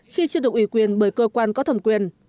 khi chưa được ủy quyền bởi cơ quan có thẩm quyền